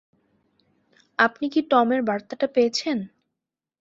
আপনি কি টমের বার্তাটা পেয়েছেন?